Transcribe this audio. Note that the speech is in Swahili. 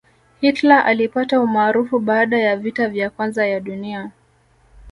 hitler alipata umaarufu baada ya vita vya kwanza ya dunia